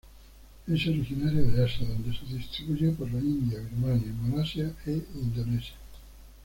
Es originaria de Asia donde se distribuye por la India, Birmania, Malasia e Indonesia.